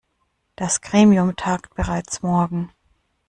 Das Gremium tagt bereits morgen.